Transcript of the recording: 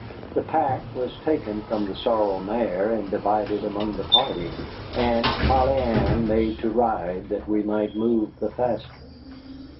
The pack was taken from the sorrel mare and divided among the party, and Polly Ann made to ride that we might move the faster.